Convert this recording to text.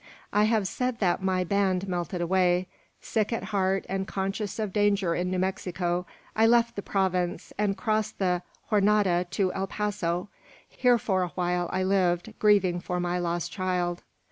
"I have said that my band melted away. Sick at heart, and conscious of danger in New Mexico, I left the province, and crossed the Jornada to El Paso. Here for a while I lived, grieving for my lost child.